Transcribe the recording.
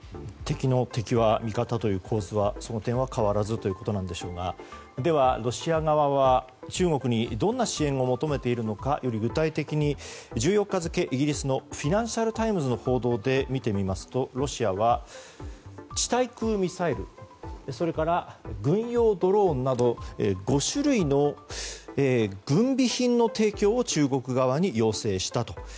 敵の敵は味方という構図はその点は変わらずということなんでしょうがでは、ロシア側は中国にどんな支援を求めているかより具体的に１４日付イギリスのフィナンシャル・タイムズの報道で見てみますとロシアは、地対空ミサイルそれから軍用ドローンなど５種類の軍備品の提供を中国側に要請したと。